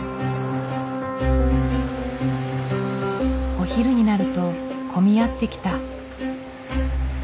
お昼になると混み合ってきた。